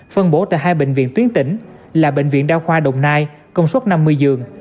phân bổ tại hai bệnh viện tuyến tỉnh là bệnh viện đa khoa đồng nai công suất năm mươi giường